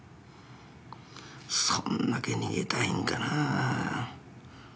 そんなけ逃げたいんかなあ。